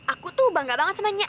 aku tuh bangga banget sama nyak